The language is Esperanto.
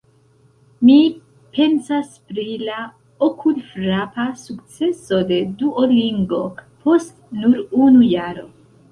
Mi pensas pri la okulfrapa sukceso de Duolingo post nur unu jaro.